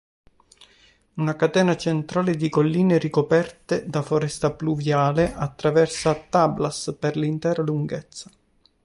Una catena centrale di colline ricoperte da foresta pluviale attraversa Tablas per l'intera lunghezza.